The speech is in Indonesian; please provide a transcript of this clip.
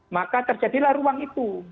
maka terjadilah ruang itu